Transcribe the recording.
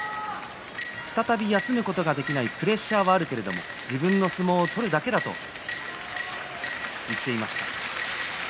再び休むことができないプレッシャーはあるけど自分の相撲を取るだけだと言っていました。